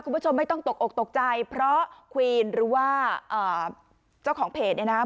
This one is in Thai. คุณผู้ชมไม่ต้องตกอกตกใจเพราะควีนหรือว่าเจ้าของเพจเนี่ยนะครับ